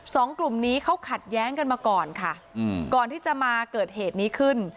สองกลุ่มนี้เขาขัดแย้งกันมาก่อนค่ะอืมก่อนที่จะมาเกิดเหตุนี้ขึ้น